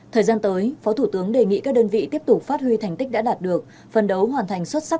thời gian tới phó thủ tướng đề nghị các đơn vị tiếp tục phát huy thành tích đã đạt được phân đấu hoàn thành xuất sắc